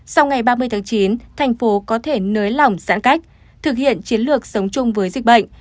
sau ngày ba mươi tháng chín thành phố có thể nới lỏng giãn cách thực hiện chiến lược sống chung với dịch bệnh